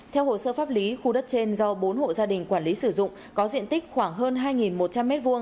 theo hồ sơ pháp lý khu đất trên do bốn hộ gia đình quản lý sử dụng có diện tích khoảng hơn hai một trăm linh m hai